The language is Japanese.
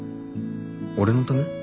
俺のため？